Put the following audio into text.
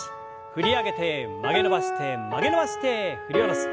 振り上げて曲げ伸ばして曲げ伸ばして振り下ろす。